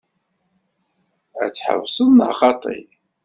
Ad tḥebseḍ neɣ xaṭi?